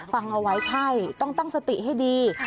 ฟังเอาไว้ใช่ต้องตั้งสติให้ดี